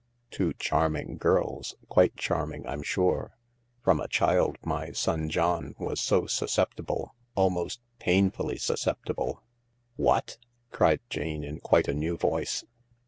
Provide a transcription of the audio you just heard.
Two charming girls — quite charming, I'm sure. From a child my son John was so susceptible — almost painfully susceptible/' " What ?" cried Jane, in quite a new voice.